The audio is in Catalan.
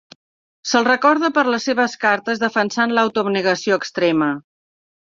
Se'l recorda per les seves cartes defensant l'auto-abnegació extrema.